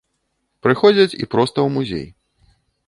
Прыходзяць і проста ў музей.